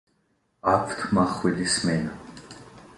აქვთ მახვილი სმენა.